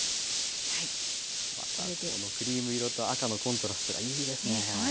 またこのクリーム色と赤のコントラストがいいですね。ね！